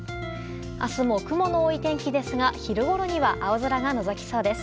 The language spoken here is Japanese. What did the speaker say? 明日も雲の多い天気ですが昼ごろには青空がのぞきそうです。